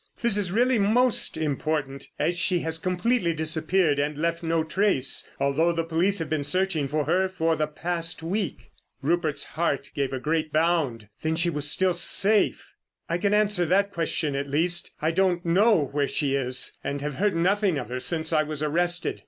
This is really most important, as she has completely disappeared and left no trace, although the police have been searching for her for the past week." Rupert's heart gave a great bound. Then she was still safe! "I can answer that question, at least. I don't know where she is, and have heard nothing of her since I was arrested."